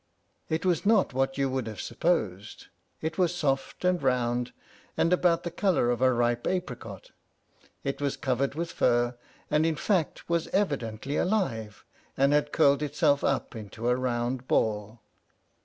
It was not what you would have supposed. It was soft and round, and about the color of a ripe apricot; it was covered with fur, and in fact it was evidently alive, and had curled itself up into a round ball.